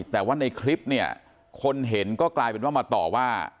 แต่ว่าในคลิปเนี่ยคนเห็นก็กลายเป็นว่ามาต่อว่า